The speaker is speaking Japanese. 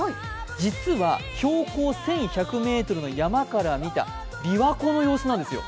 実は標高１１００ｍの山から見た琵琶湖の様子なんですよ。